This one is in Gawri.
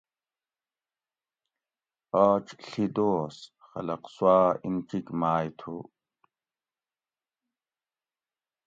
آج ڷھی دوس خلق سواۤ انچیک مائ تھو